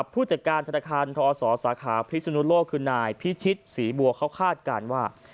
ผู้จัดการธนาคารทอศสาขาพิศนุโลกคือนายพิชิตศรีบัวเขาคาดการณ์ว่า